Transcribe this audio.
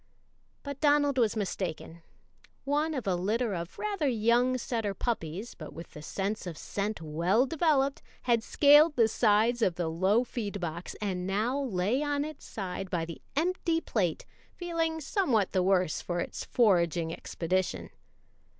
But Donald was mistaken; one of a litter of rather young setter puppies, but with the sense of scent well developed, had scaled the sides of the low feed box, and now lay on its side by the empty plate, feeling somewhat the worse for its foraging expedition.